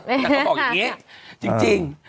นางก็บอกอย่างนี้จริง